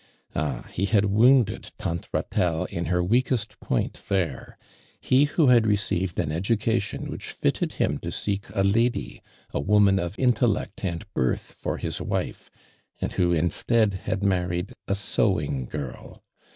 Ah, he had wounded tanir Ratelle in her weakest point there ; he who had received an education which fitted him to seek a lady, a woman of intellect and birth for his wife, and who instead, had married a sewing girl.